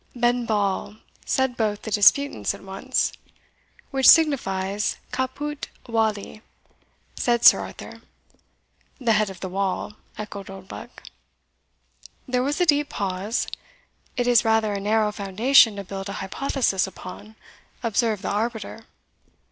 "Benval" said both the disputants at once. "Which signifies caput valli," said Sir Arthur. "The head of the wall," echoed Oldbuck. There was a deep pause. "It is rather a narrow foundation to build a hypothesis upon," observed the arbiter.